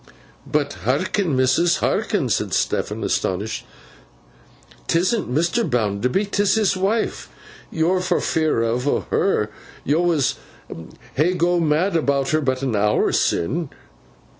'But hearken, missus, hearken,' said Stephen, astonished. ''Tisn't Mr. Bounderby; 'tis his wife. Yo'r not fearfo' o' her. Yo was hey go mad about her, but an hour sin.